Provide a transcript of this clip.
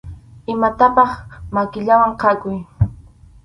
Imatapaq makillawan khakuy.